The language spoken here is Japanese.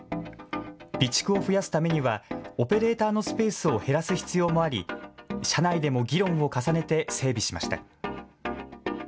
備蓄を増やすためにはオペレーターのスペースを減らす必要もあり、社内でも議論を重ねて整備しました。